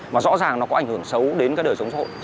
mà rõ ràng nó có ảnh hưởng xấu đến cái đời sống xã hội